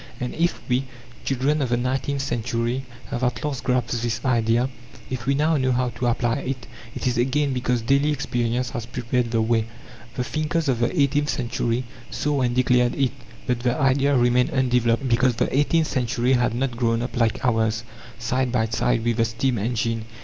And if we, children of the nineteenth century, have at last grasped this idea, if we know now how to apply it, it is again because daily experience has prepared the way. The thinkers of the eighteenth century saw and declared it, but the idea remained undeveloped, because the eighteenth century had not grown up like ours, side by side with the steam engine.